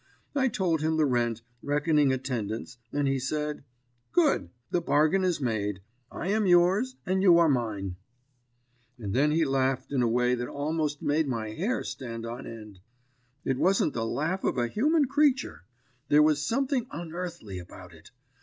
I told him the rent, reckoning attendance, and he said: "'Good. The bargain is made. I am yours, and you are mine.' "And then he laughed in a way that almost made my hair stand on end. It wasn't the laugh of a human creature; there was something unearthly about it.